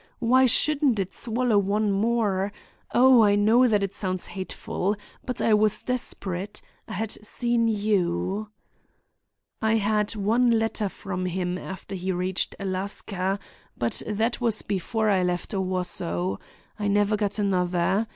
Why shouldn't it swallow one more— Oh, I know that it sounds hateful. But I was desperate; I had seen you. "I had one letter from him after he reached Alaska, but that was before I left Owosso. I never got another.